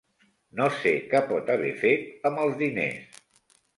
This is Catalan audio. No sé què pot haver fet amb els diners.